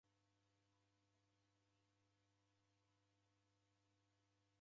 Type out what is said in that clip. Leka nisunga